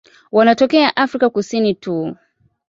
Wanatokea Afrika Kusini tu.